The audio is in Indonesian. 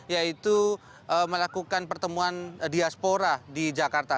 yaitu melakukan pertemuan diaspora di jakarta